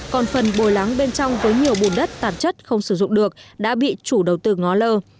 còn phần bồi lắng bên trong với nhiều bùn đất tạp chất không sử dụng được đã bị chủ đầu tư ngó lơ